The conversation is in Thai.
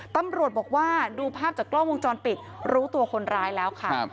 ตำรวจบอกว่าดูภาพจากกล้องวงจรปิดรู้ตัวคนร้ายแล้วค่ะ